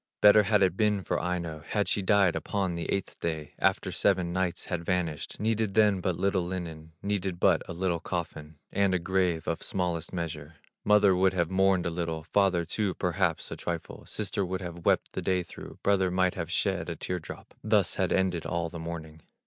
Better had it been for Aino, Had she died upon the eighth day After seven nights had vanished; Needed then but little linen, Needed but a little coffin, And a grave of smallest measure; Mother would have mourned a little, Father too perhaps a trifle, Sister would have wept the day through, Brother might have shed a tear drop, Thus had ended all the mourning."